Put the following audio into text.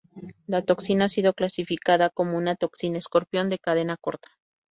La toxina ha sido clasificada como una toxina escorpión de cadena corta.